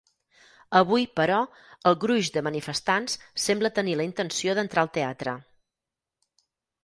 Avui, però, el gruix de manifestants sembla tenir la intenció d'entrar al teatre.